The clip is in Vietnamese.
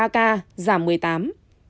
một mươi ba ca giảm một mươi tám